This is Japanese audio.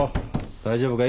大丈夫か？